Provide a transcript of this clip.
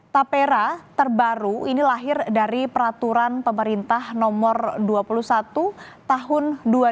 tapera terbaru ini lahir dari peraturan pemerintah nomor dua puluh satu tahun dua ribu dua puluh